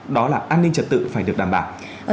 đó là an ninh trật tự phải được đảm bảo